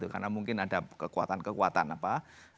karena mungkin ada kekuatan kekuatan apa